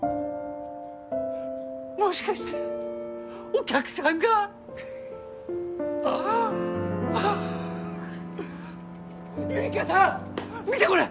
もしかしてお客さんがゆりかさん見てこれ！